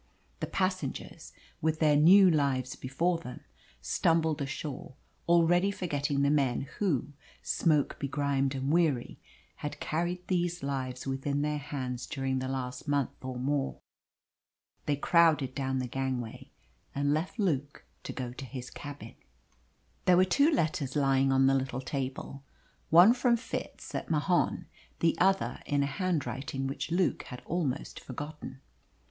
The passengers, with their new lives before them, stumbled ashore, already forgetting the men who, smoke begrimed and weary, had carried these lives within their hands during the last month or more. They crowded down the gangway and left Luke to go to his cabin. There were two letters lying on the little table. One from Fitz at Mahon, the other in a handwriting which Luke had almost forgotten.